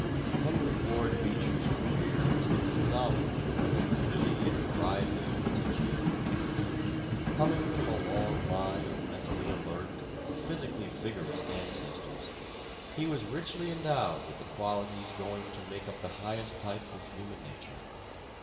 Henry Ward Beecher's career has been phenomenal for the activity and variety of its achievements. Coming from a long line of mentally alert and physically vigorous ancestors, he was richly endowed with the qualities going to make up the highest type of human nature.